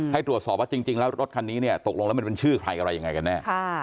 ให้ตรวจสอบว่าจริงแล้วรถคันนี้เนี่ยตกลงแล้วมันเป็นชื่อใครอะไรยังไงกันแน่